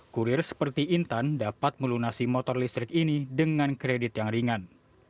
kurir seperti intan dapat melunasi motor listrik ini dengan kredit yang ringan